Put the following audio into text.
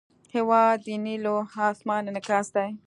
هېواد د نیلو آسمان انعکاس دی.